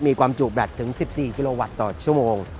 มีความจุแบตถึง๑๔กิโลวัตต์ต่อชั่วโมง